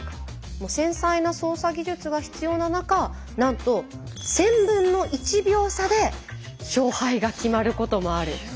もう繊細な操作技術が必要な中なんと１／１０００秒差で勝敗が決まることもある。